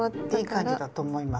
いい感じだと思います。